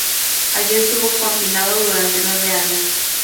Allí estuvo confinado durante nueve años.